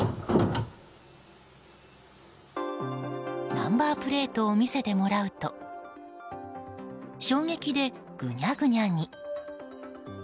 ナンバープレートを見せてもらうと衝撃でグニャグニャに。